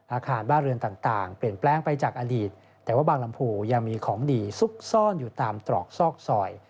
อาคารบ้านเรือนต่างเปลี่ยนแปลงไปจากอดีตแต่ว่าบางลำภูยังมีของดีซุกซ่อนอยู่ตามตรอกซอกซอย